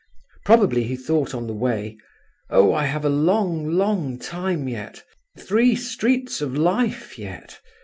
Probably he thought, on the way, 'Oh, I have a long, long time yet. Three streets of life yet!